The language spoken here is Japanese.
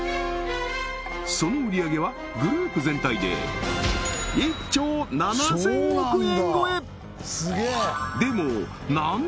その売上げはグループ全体で１兆７０００億円超え！